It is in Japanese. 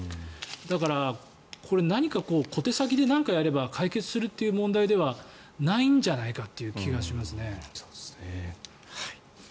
だから、これ小手先で何かやれば解決するという問題ではないんじゃないかという気がしますね。